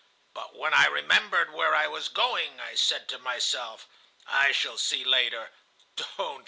But when I remembered where I was going, I said to myself: 'I shall see later.